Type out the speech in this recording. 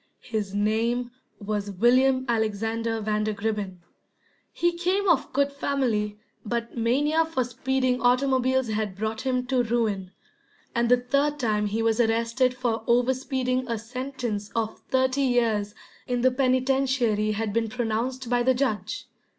His name was William Alexander Vandergribbin. He came of good family, but mania for speeding automobiles had brought him to ruin, and the third time he was arrested for over speeding a sentence of thirty years in the penitentiary had been pronounced by the judge.